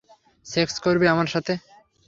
Sex করবে আমার সাথে?